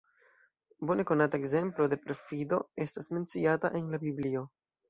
Bone konata ekzemplo de perfido estas menciata en la biblio.